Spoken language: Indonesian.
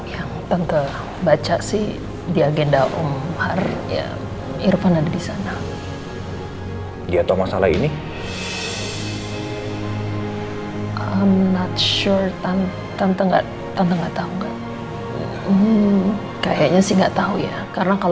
tante takut satu hal yang bisa tante lakukan dulu harus dikenal